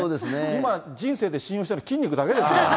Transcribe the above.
今、人生で信用してるのは、筋肉だけですもん。